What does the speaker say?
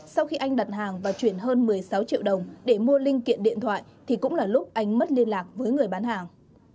sau khi anh đặt hàng và chuyển hơn một mươi sáu triệu đồng để mua linh kiện điện thoại thì cũng là lúc anh mất liên lạc với người bán hàng